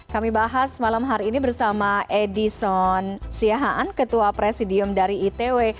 kami bahas malam hari ini bersama edison siahaan ketua presidium dari itw